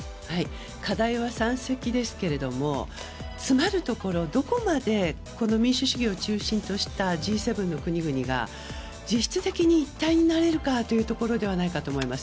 課題は山積ですけれどもつまるところどこまで民主主義を中心としたＧ７の国々が実質的に一体になれるかというところではないかと思います。